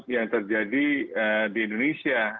yang terjadi di indonesia